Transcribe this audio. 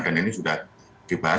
dan ini sudah dibahas